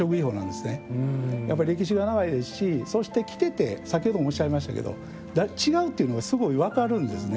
やっぱり歴史が長いですしそして着てて先ほどもおっしゃいましたけど違うっていうのがすごい分かるんですね